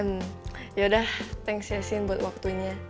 ehm yaudah thanks ya sin buat waktunya